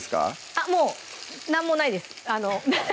あっもう何もないです